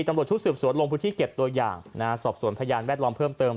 ตำรวจชุดสืบสวนลงพื้นที่เก็บตัวอย่างสอบสวนพยานแวดล้อมเพิ่มเติม